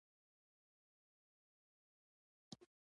جیبو کې څه پیدا نه شول.